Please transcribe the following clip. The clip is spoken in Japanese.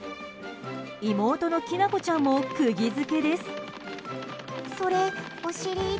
妹のきなこちゃんも釘付けです。